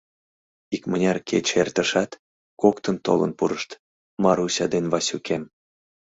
— Икмыняр кече эртышат, коктын толын пурышт: Маруся ден Васюкем.